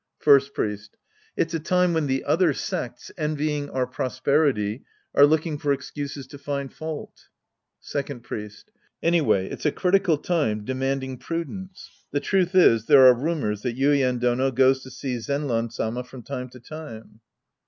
First FHest. It's a time when the other sects, envy ing our prosperity, are looking for excuses to find fault. Second FHest. Anyway it's a critical time de manding prudence. {Pauses.) The truth is, there are rumors that Yuien Dono goes to see Zenran Sama from time to time.